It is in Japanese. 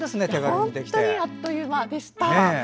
本当にあっという間でした。